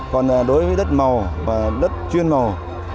còn đối với đất màu đất chuyên màu đất trồng lúa không đất trồng lúa không